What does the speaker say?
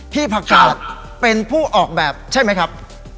ผักกาดเป็นผู้ออกแบบใช่ไหมครับ